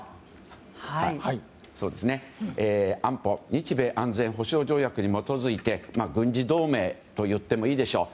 日米安全保障条約に基づいて軍事同盟といってもいいでしょう。